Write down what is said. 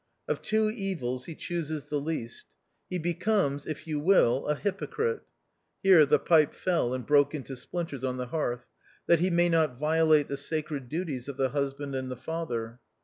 Of two evils he chooses the least. He becomes, if you will, a hypocrite — (here the pipe fell and broke into splinters on the hearth) — that he may not violate the sacred duties of the husband and the father.